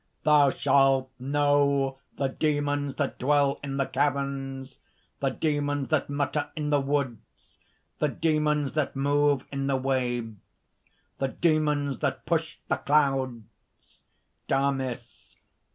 "Thou shalt know the demons that dwell in the caverns, the demons that mutter in the woods, the demons that move in the waves, the demons that push the clouds!" DAMIS.